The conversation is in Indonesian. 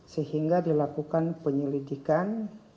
sehingga dilakukan penyelidikan